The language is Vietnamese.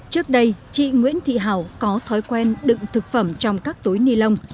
trước đây chị nguyễn thị hảo có thói quen đựng thực phẩm trong các túi ni lông